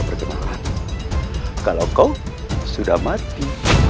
perkemahan kalau kau sudah mati